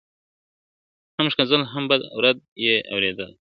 هم ښکنځل هم بد او رد یې اورېدله ..